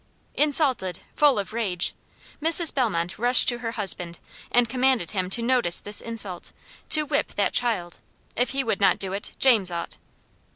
Insulted, full of rage, Mrs. Bellmont rushed to her husband, and commanded him to notice this insult; to whip that child; if he would not do it, James ought.